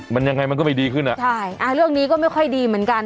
มันยังไงมันก็ไม่ดีขึ้นอ่ะใช่อ่าเรื่องนี้ก็ไม่ค่อยดีเหมือนกัน